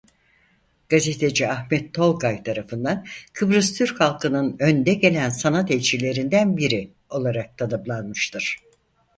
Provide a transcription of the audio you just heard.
Gazeteci Ahmet Tolgay tarafından "Kıbrıs Türk halkının önde gelen sanat elçilerinden biri" olarak tanımlanmıştır.